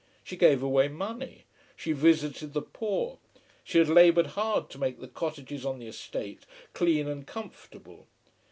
She gave away money. She visited the poor. She had laboured hard to make the cottages on the estate clean and comfortable.